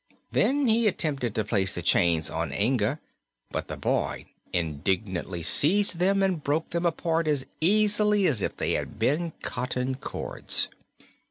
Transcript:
Then he attempted to place the chains on Inga, but the boy indignantly seized them and broke them apart as easily as if they had been cotton cords.